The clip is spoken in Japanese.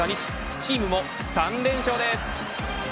チームも３連勝です。